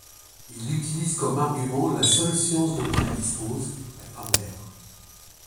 Il utilise comme argument la seule science dont il dispose : la grammaire.